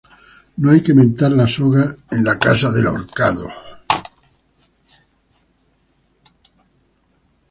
No hay que mentar la soga en casa del ahorcado